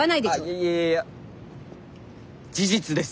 いやいや事実です。